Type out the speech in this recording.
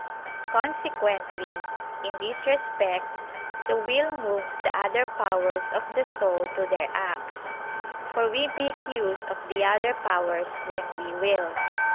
Consequently, in this respect, the will moves the other powers of the soul to their acts, for we make use of the other powers when we will.